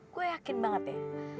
gue yakin banget ya